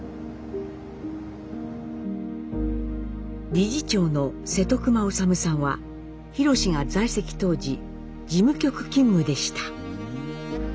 理事長の瀬戸熊修さんはひろしが在籍当時事務局勤務でした。